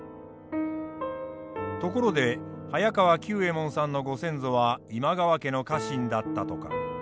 ところで早川久右衛門さんのご先祖は今川家の家臣だったとか。